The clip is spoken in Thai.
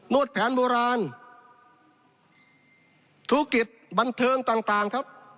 วดแผนโบราณธุรกิจบันเทิงต่างต่างครับ